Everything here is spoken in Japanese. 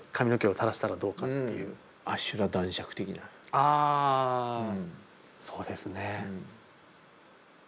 あぁそうですね。